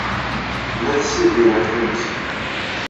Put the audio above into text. Tella tessidir iɣef-nnes.